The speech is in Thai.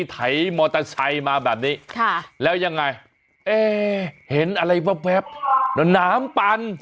ไถมอเตอร์ไซค์มาแบบนี้แล้วยังไงเอ๊เห็นอะไรแว๊บแล้วน้ำปั่น